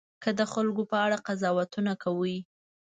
که د خلکو په اړه قضاوتونه کوئ.